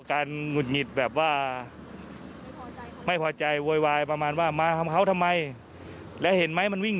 การงุดหงิดแบบว่าไม่พอใจโว้ยวายประมาณว่ามาทำเค้าทำไม